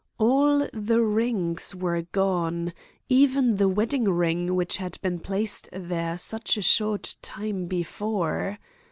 All the rings were gone, even the wedding ring which had been placed there such a short time before.